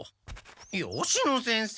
吉野先生